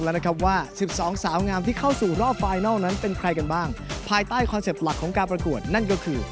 และคอนเซ็ปต์หลักของการประกวดนั่นก็คือ